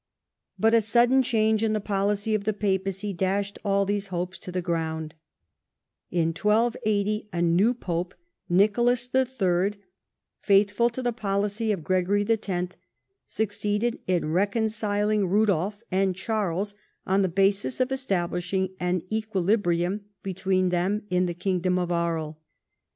But a sudden change in the policy of the papacy dashed all these hopes to the ground. In 1280 a new pope, Kicolas III, faithful to the policy of Gregory X., succeeded in reconciling Rudolf and Charles, on the basis of establishing an equilibrium between them in the kingdom of Aries.